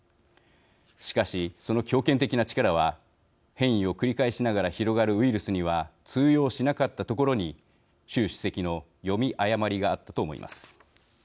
しかし、その強権的な力は変異を繰り返しながら広がるウイルスには通用しなかったところに習主席の読み誤りがあったと思います。